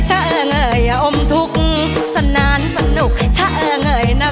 เออเงยอมทุกข์สนานสนุกชะเอ่อเงยนะ